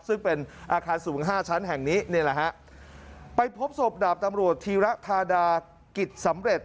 ซึ่งเป็นอาคารสูงห้าชั้นแห่งนี้นี่แหละฮะไปพบศพดาบตำรวจธีระธาดากิจสำเร็จ